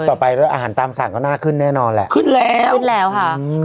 ต่อไปด้วยอาหารตามสั่งก็น่าขึ้นแน่นอนแหละขึ้นแล้วขึ้นแล้วค่ะอืม